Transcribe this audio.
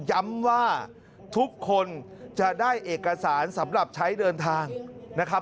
ย้ำว่าทุกคนจะได้เอกสารสำหรับใช้เดินทางนะครับ